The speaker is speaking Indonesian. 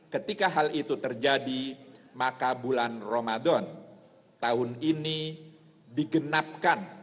ketika hal itu terjadi maka bulan ramadan tahun ini digenapkan